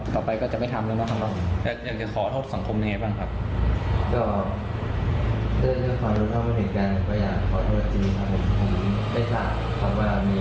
ขอบคุณฮัยครับเพราะว่ามีอีกคนขับอยู่แถวน้ำนั้นด้วยครับ